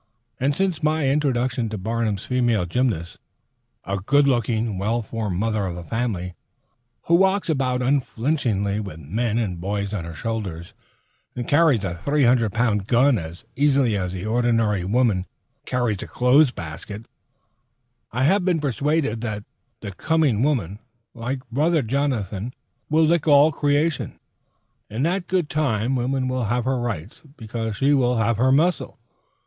And since my introduction to Barnum's female gymnast, a good looking, well formed mother of a family, who walks about unflinchingly with men and boys on her shoulders, and carries a 300 pound gun as easily as the ordinary woman carries a clothes basket, I have been persuaded that "the coming woman," like Brother Jonathan, will "lick all creation." In that good time, woman will have her rights because she will have her muscle.